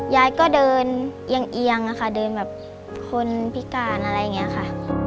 ยายก็เดินเอียงอะค่ะเดินแบบคนพิการอะไรอย่างนี้ค่ะ